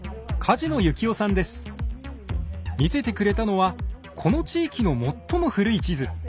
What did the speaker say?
見せてくれたのはこの地域の最も古い地図。